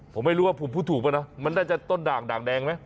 ผมไม่รู้ว่าผมพูดถูกป่ะนะมันน่าจะต้นด่างด่างแดงไหม